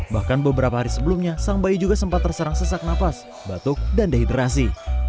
bahkan beberapa hari sebelumnya sang bayi juga sempat terserang sesak nafas batuk dan dehidrasi